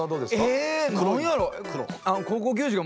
え何やろ。